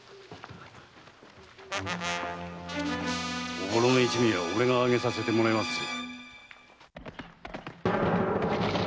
おぼろの一味は俺が挙げさせてもらいますぜ